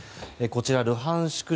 こちら、ルハンシク